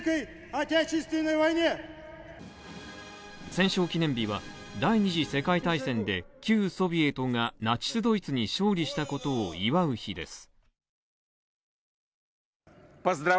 戦勝記念日は、第２次世界大戦で旧ソビエトが、ナチス・ドイツに勝利したことを祝う日です。